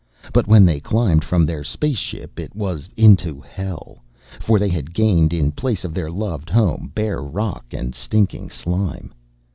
"But when they climbed from their space ship it was into hell. For they had gained, in place of their loved home, bare rock and stinking slime.